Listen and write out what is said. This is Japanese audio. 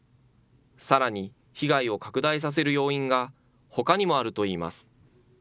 さらに被害を拡大させる要因がほかにもあるといいます。